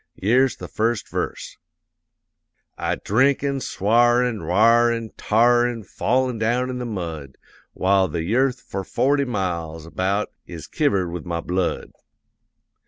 Yere's the first verse: I'd drink an' sw'ar an' r'ar an' t'ar An' fall down in the mud, While the y'earth for forty miles about Is kivered with my blood.